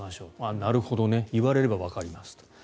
なるほどね言われればわかります。